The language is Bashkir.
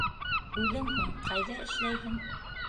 Үҙең һуң ҡайҙа эшләйһең?